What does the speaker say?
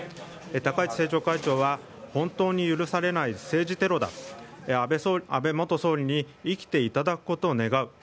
高市政調会長は本当に許されない政治テロだ安倍元総理に生きていただくことを願う。